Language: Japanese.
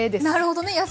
なるほどね！